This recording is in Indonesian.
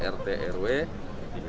rsi dan rsi